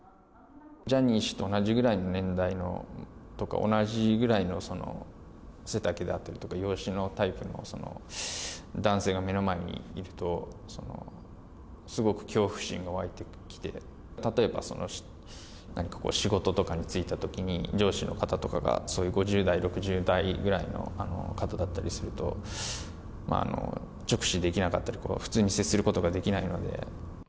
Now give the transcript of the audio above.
ジャニー氏と同じぐらいの年代とか、同じぐらいの背丈であったりとか、容姿のタイプの男性が目の前にいると、すごく恐怖心が湧いてきて、例えば何か仕事とかに就いたときに、上司の方とかがそういう５０代、６０代ぐらいの方だったりすると、直視できなかったり、普通に接することができないので。